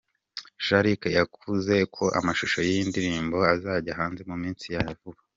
Jean Luc yavuze ko amashusho y'iyi ndirimbo azajya hanze mu minsi ya vuba.